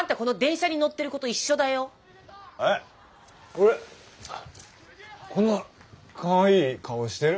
俺こんなかわいい顔してる？